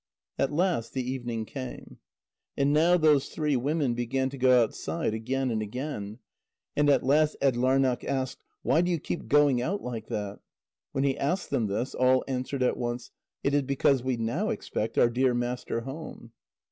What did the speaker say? At last the evening came. And now those three women began to go outside again and again. And at last Atdlarneq asked: "Why do you keep going out like that?" When he asked them this, all answered at once: "It is because we now expect our dear master home."